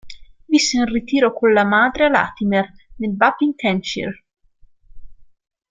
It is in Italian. Visse in ritiro con la madre a Latimer, nel Buckinghamshire.